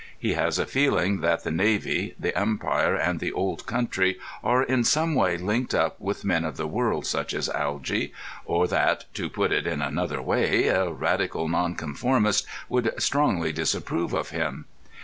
He has a feeling that the Navy, the Empire, and the Old Country are in some way linked up with men of the world such as Algy, or that (to put it in another way) a Radical Nonconformist would strongly disapprove of him.